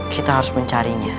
kita harus mencarinya